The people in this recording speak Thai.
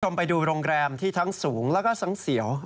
ไปดูโรงแรมที่ทั้งสูงแล้วก็ทั้งเสียว